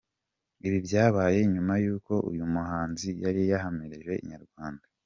Ibi byabaye nyuma y’uko uyu muhanzi yari yahamirije Inyarwanda.